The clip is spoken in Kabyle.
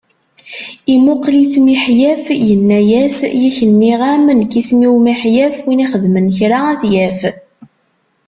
Imuqel-itt Miḥyaf yenna-as: Yak nniɣ-am nekk isem-iw Miḥyaf, win ixedmen kra ad t-yaf.